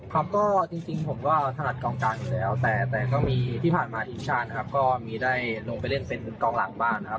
ครับก็จริงผมก็ถนัดกองกลางอยู่แล้วแต่ก็มีที่ผ่านมาทีมชาตินะครับก็มีได้ลงไปเล่นเป็นกองหลังบ้านนะครับ